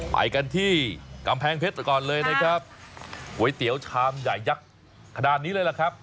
ไปกันที่กำแพงเพชรก่อนเลยนะครับก๋วยเตี๋ยวชามใหญ่ยักษ์ขนาดนี้เลยล่ะครับ